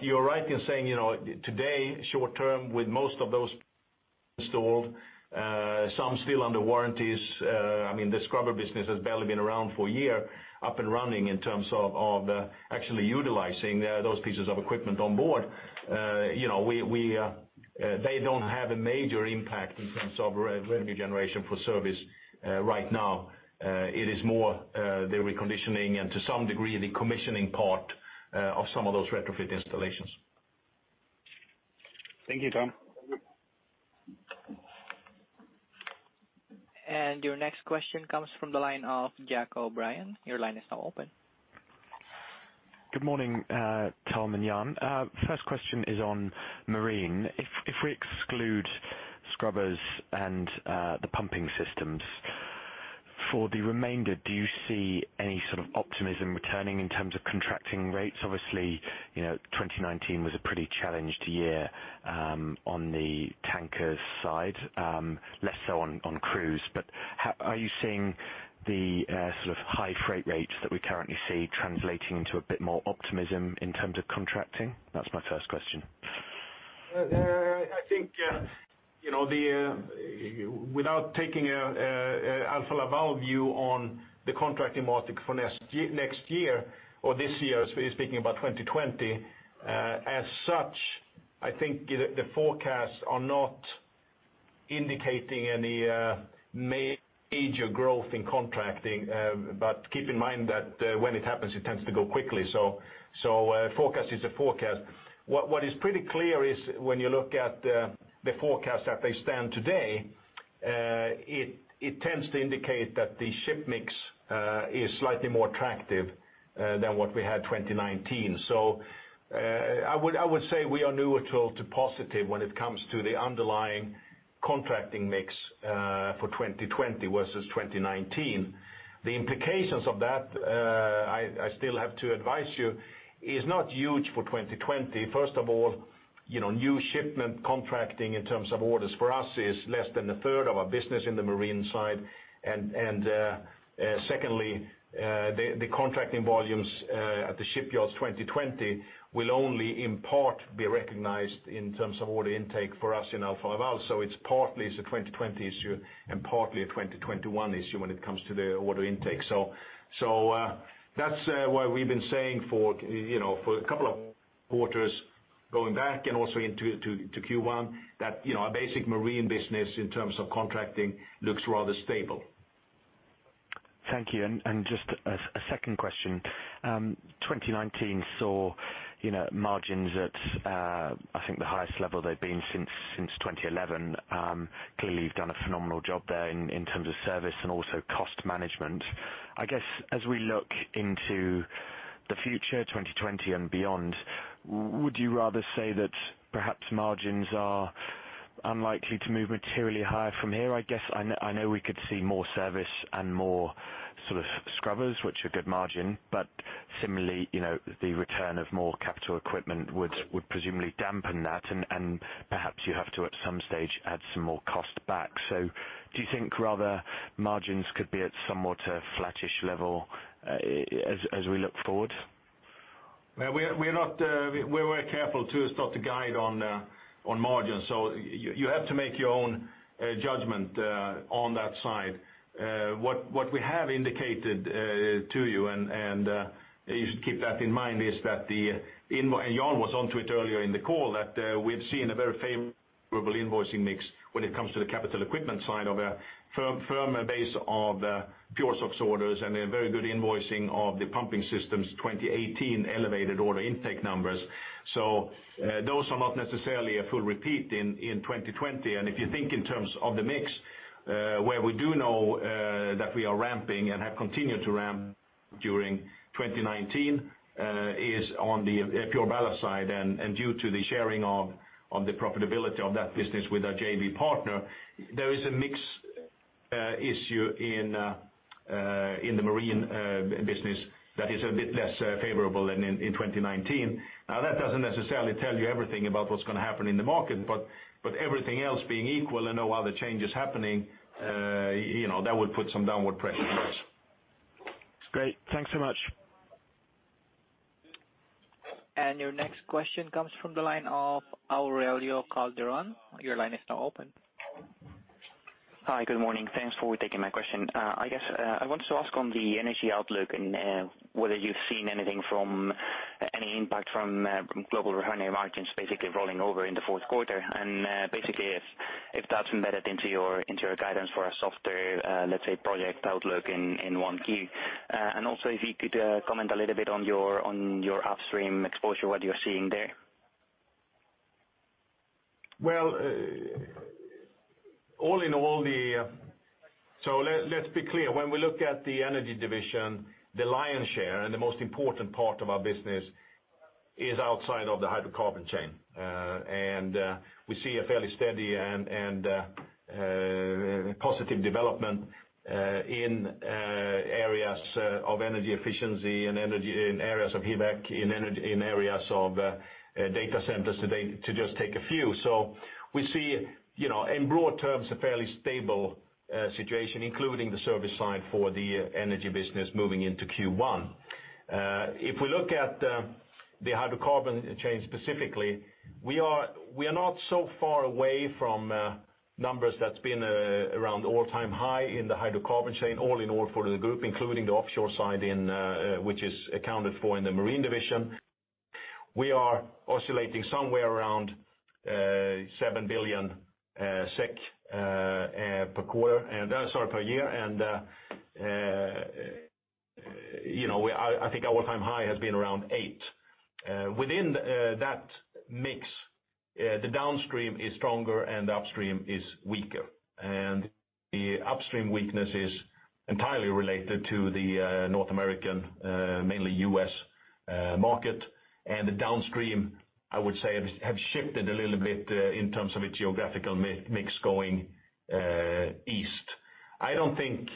You're right in saying, today, short term, with most of those installed, some still under warranties. The scrubber business has barely been around for a year, up and running in terms of actually utilizing those pieces of equipment on board. They don't have a major impact in terms of revenue generation for service right now. It is more the reconditioning and to some degree, the commissioning part of some of those retrofit installations. Thank you, Tom. Your next question comes from the line of Jack O'Brien. Your line is now open. Good morning, Tom and Jan. first question is on Marine. if we exclude scrubbers and the pumping systems, for the remainder, do you see any sort of optimism returning in terms of contracting rates? Obviously, 2019 was a pretty challenged year on the tanker side, less so on cruise. Are you seeing the sort of high freight rates that we currently see translating into a bit more optimism in terms of contracting? That's my first question. I think, without taking alfa Laval view on the contracting market for next year or this year, speaking about 2020, as such, I think the forecasts are not indicating any major growth in contracting. Keep in mind that when it happens, it tends to go quickly. A forecast is a forecast. What is pretty clear is when you look at the forecasts as they stand today. It tends to indicate that the ship mix is slightly more attractive than what we had 2019. I would say we are neutral to positive when it comes to the underlying contracting mix for 2020 versus 2019. The implications of that, I still have to advise you, is not huge for 2020. first of all, new shipment contracting in terms of orders for us is less than a third of our business in the marine side. Secondly, the contracting volumes at the shipyards 2020 will only in part be recognized in terms of order intake for us in alfa Laval. It's partly it's a 2020 issue and partly a 2021 issue when it comes to the order intake. That's why we've been saying for a couple of quarters going back and also into Q1, that our basic marine business in terms of contracting looks rather stable. Thank you. Just a second question. 2019 saw margins at, I think, the highest level they've been since 2011. Clearly you've done a phenomenal job there in terms of service and also cost management. I guess as we look into the future, 2020 and beyond, would you rather say that perhaps margins are unlikely to move materially higher from here? I guess I know we could see more service and more scrubbers, which are good margin, but similarly, the return of more capital equipment would presumably dampen that. Perhaps you have to, at some stage, add some more cost back. Do you think rather margins could be at somewhat a flattish level as we look forward? We're very careful to start to guide on margin. You have to make your own judgment on that side. What we have indicated to you, and you should keep that in mind, is that Jan was onto it earlier in the call, that we've seen a very favorable invoicing mix when it comes to the capital equipment side of a firmer base of PureSOx orders, and a very good invoicing of the pumping systems 2018 elevated order intake numbers. Those are not necessarily a full repeat in 2020. if you think in terms of the mix, where we do know that we are ramping and have continued to ramp during 2019, is on the PureBallast side. Due to the sharing of the profitability of that business with our JV partner, there is a mix issue in the marine business that is a bit less favorable than in 2019. That doesn't necessarily tell you everything about what's going to happen in the market, but everything else being equal and no other changes happening, that would put some downward pressure on us. Great. Thanks so much. Your next question comes from the line of Aurelio Calderon. Your line is now open. Hi, good morning. Thanks for taking my question. I guess I wanted to ask on the energy outlook and whether you've seen any impact from global refining margins basically rolling over in the fourth quarter. Basically if that's embedded into your guidance for a softer, let's say, project outlook in Q1. Also if you could comment a little bit on your upstream exposure, what you're seeing there. Well, all in all, let's be clear. When we look at the Energy Division, the lion's share and the most important part of our business is outside of the hydrocarbon chain. We see a fairly steady and positive development in areas of energy efficiency and energy in areas of HVAC, in areas of data centers, to just take a few. We see in broad terms, a fairly stable situation, including the service side for the energy business moving into Q1. if we look at the hydrocarbon chain specifically, we are not so far away from numbers that's been around all-time high in the hydrocarbon chain, all in all for the group, including the offshore side which is accounted for in the Marine Division. We are oscillating somewhere around 7 billion SEK per year. I think our all-time high has been around 8 billion. Within that mix, the downstream is stronger and the upstream is weaker. The upstream weakness is entirely related to the North American, mainly U.S., market. The downstream, I would say, have shifted a little bit in terms of its geographical mix going east. I don't think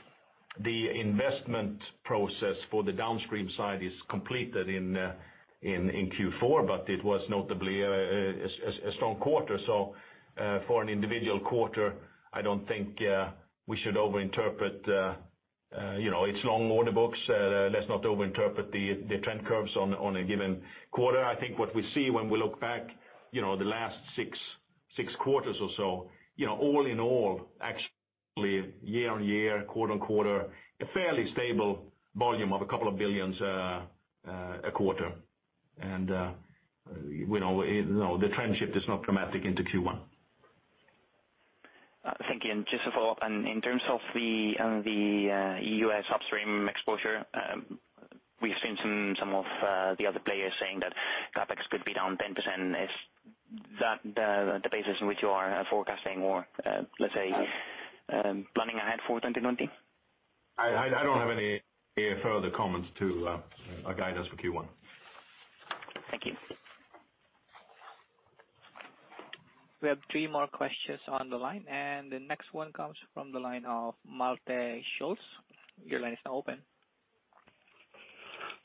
the investment process for the downstream side is completed in Q4, but it was notably a strong quarter. for an individual quarter, I don't think we should overinterpret. It's long order books. Let's not overinterpret the trend curves on a given quarter. I think what we see when we look back the last 6 quarters or so, all in all, actually year-over-year, quarter-over-quarter, a fairly stable volume of a couple of billions a quarter. The trend shift is not dramatic into Q1. Thank you. Just to follow up, and in terms of the U.S. upstream exposure, we've seen some of the other players saying that CapEx could be down 10%. Is that the basis in which you are forecasting or let's say, planning ahead for 2020? I don't have any further comments to our guidance for Q1. Thank you. We have three more questions on the line. The next one comes from the line of Malte Schulz. Your line is now open.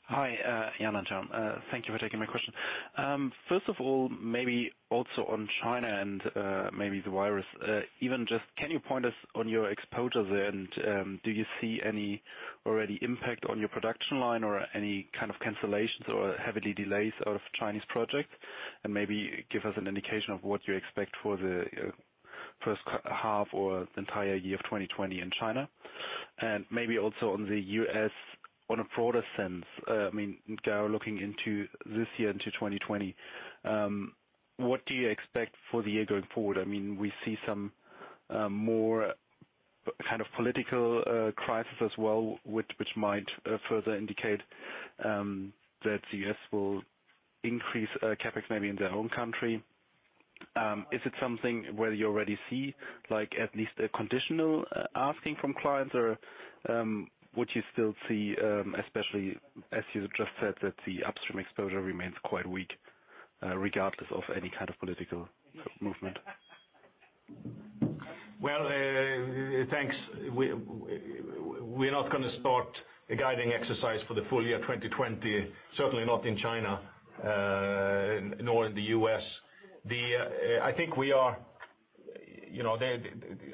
Hi, Jan and Tom. Thank you for taking my question. first of all, maybe also on China and maybe the virus, even just can you point us on your exposure there, and do you see any already impact on your production line or any kind of cancellations or heavily delays out of Chinese projects? Maybe give us an indication of what you expect for the first half or the entire year of 2020 in China? Maybe also on the U.S. on a broader sense, I mean, looking into this year into 2020, what do you expect for the year going forward? We see some more kind of political crisis as well, which might further indicate that the U.S. will increase CapEx maybe in their own country. Is it something where you already see at least a conditional asking from clients or would you still see, especially as you just said that the upstream exposure remains quite weak regardless of any kind of political movement? Well, thanks. We're not going to start a guiding exercise for the full-year 2020, certainly not in China, nor in the U.S. I think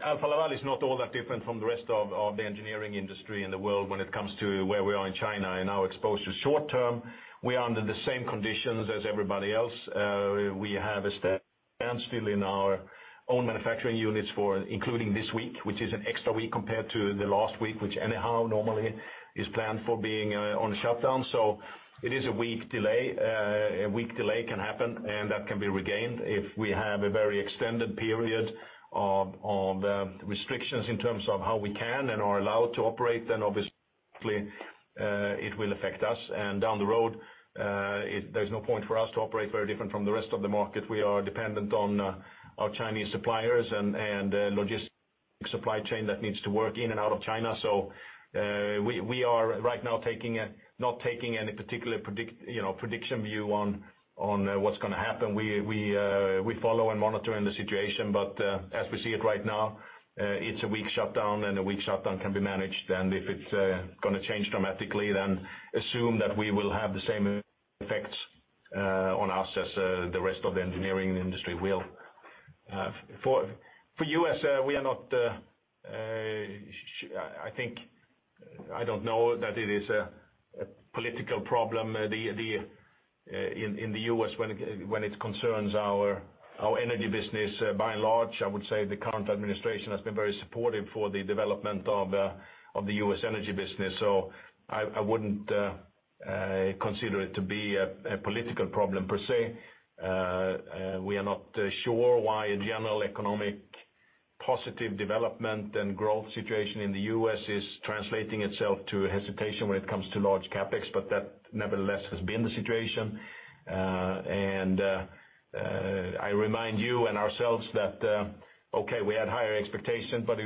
alfa Laval is not all that different from the rest of the engineering industry in the world when it comes to where we are in China and our exposure short-term. We are under the same conditions as everybody else. We have a staff still in our own manufacturing units including this week, which is an extra week compared to the last week, which anyhow normally is planned for being on shutdown. It is a week delay. A week delay can happen, and that can be regained. if we have a very extended period of the restrictions in terms of how we can and are allowed to operate, obviously it will affect us. Down the road, there's no point for us to operate very different from the rest of the market. We are dependent on our Chinese suppliers and logistic supply chain that needs to work in and out of China. We are right now not taking any particular prediction view on what's going to happen. We follow and monitor the situation. As we see it right now, it's a week shutdown. A week shutdown can be managed. if it's going to change dramatically, assume that we will have the same effects on us as the rest of the engineering industry will. For U.S., I don't know that it is a political problem in the U.S. when it concerns our Energy Division. By and large, I would say the current administration has been very supportive for the development of the U.S. Energy Division. I wouldn't consider it to be a political problem per se. We are not sure why a general economic positive development and growth situation in the U.S. is translating itself to hesitation when it comes to large CapEx, but that nevertheless has been the situation. I remind you and ourselves that, okay, we had higher expectations, but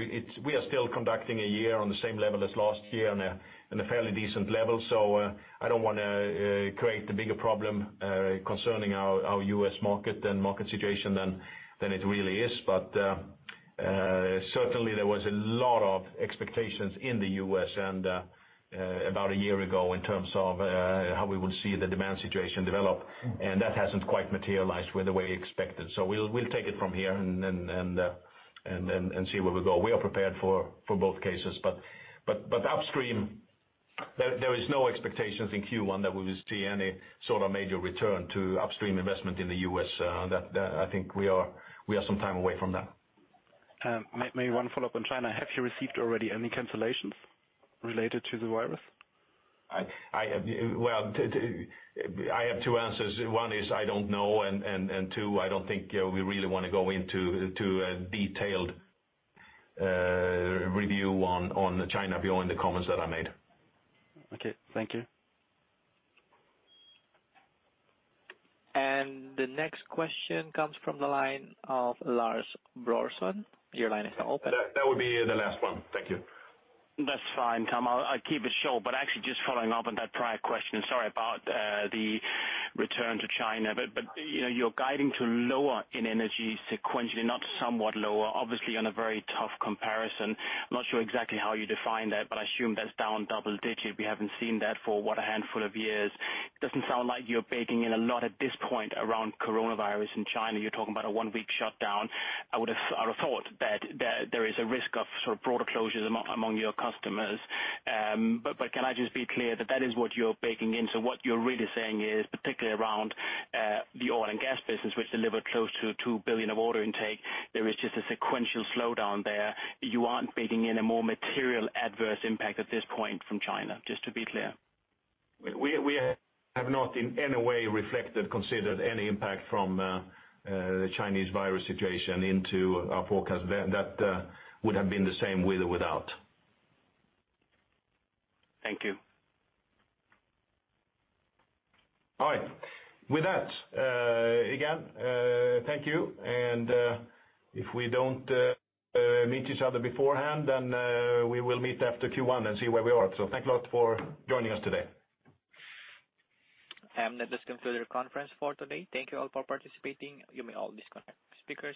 we are still conducting a year on the same level as last year on a fairly decent level. I don't want to create a bigger problem concerning our U.S. market and market situation than it really is. Certainly there was a lot of expectations in the U.S. about a year ago in terms of how we would see the demand situation develop, and that hasn't quite materialized the way we expected. We'll take it from here and see where we go. We are prepared for both cases. Upstream, there is no expectations in Q1 that we will see any sort of major return to upstream investment in the U.S. I think we are some time away from that. Maybe one follow-up on China. Have you received already any cancellations related to the virus? I have two answers. One is I don't know, and two, I don't think we really want to go into a detailed review on the China view in the comments that I made. Okay. Thank you. The next question comes from the line of Lars Brorson. Your line is now open. That would be the last one. Thank you. That's fine, Tom. I'll keep it short, actually just following up on that prior question, sorry about the return to China, you're guiding to lower in Energy sequentially, not somewhat lower, obviously on a very tough comparison. I'm not sure exactly how you define that, I assume that's down double-digit. We haven't seen that for what a handful of years. Doesn't sound like you're baking in a lot at this point around coronavirus in China. You're talking about a one-week shutdown. I would have thought that there is a risk of sort of broader closures among your customers. Can I just be clear that that is what you're baking in? What you're really saying is particularly around the oil and gas business, which delivered close to 2 billion of order intake, there is just a sequential slowdown there. You aren't baking in a more material adverse impact at this point from China, just to be clear. We have not in any way reflected, considered any impact from the Chinese virus situation into our forecast. That would have been the same with or without. Thank you. All right. With that, again, thank you. if we don't meet each other beforehand, we will meet after Q1 and see where we are. Thank you a lot for joining us today. That does conclude our conference for today. Thank you all for participating. You may all disconnect.